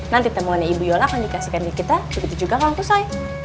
nanti temuan ibu yola akan dikasihkan ke kita begitu juga kang kusoy